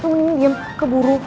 lu mendingan diam keburu